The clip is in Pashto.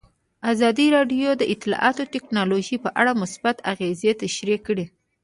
ازادي راډیو د اطلاعاتی تکنالوژي په اړه مثبت اغېزې تشریح کړي.